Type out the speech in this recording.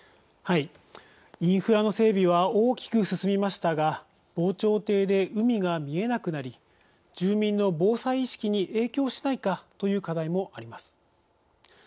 はい、インフラの整備は大きく進みましたが防潮堤で海が見えなくなり住民の防災意識に影響しないかという課題もあります。